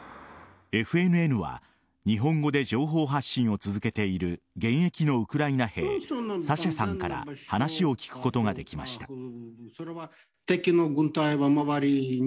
ＦＮＮは日本語で情報発信を続けている現役のウクライナ兵サシャさんから話を聞くことができました。